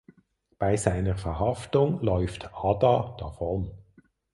Bei seiner Verhaftung läuft Ada davon.